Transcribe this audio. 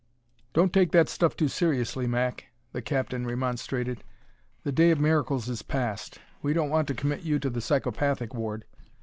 "Don't take that stuff too seriously, Mac," the captain remonstrated. "The day of miracles is past; we don't want to commit you to the psychopathic ward.